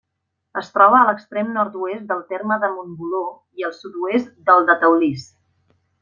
Es troba a l'extrem nord-oest del terme de Montboló i al sud-oest del de Teulís.